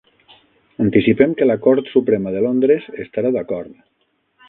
Anticipem que la Cort Suprema de Londres estarà d'acord.